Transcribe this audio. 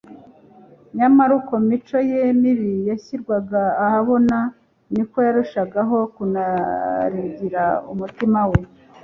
nyamara uko imico ye mibi yashyirwaga ahabona niko yarushagaho kunarigira umutima we,